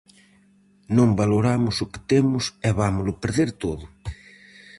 Non valoramos o que temos e vámolo perder todo.